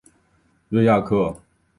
瑞亚克。